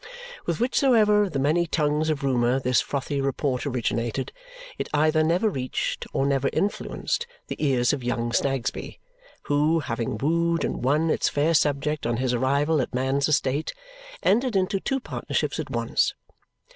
With whichsoever of the many tongues of Rumour this frothy report originated, it either never reached or never influenced the ears of young Snagsby, who, having wooed and won its fair subject on his arrival at man's estate, entered into two partnerships at once.